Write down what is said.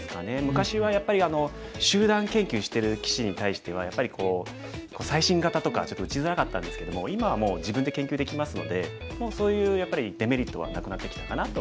昔はやっぱり集団研究してる棋士に対してはやっぱり最新型とかちょっと打ちづらかったんですけども今はもう自分で研究できますのでそういうやっぱりデメリットはなくなってきたかなと。